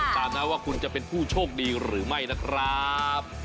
ตามนะว่าคุณจะเป็นผู้โชคดีหรือไม่นะครับ